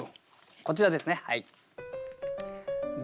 こちらですねはい。